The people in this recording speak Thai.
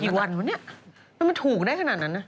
อยู่กี่วันเหรอเนี่ยมันถูกได้ขนาดนั้นนะ